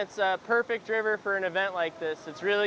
ini adalah sungai yang sempurna untuk menarik wisatawan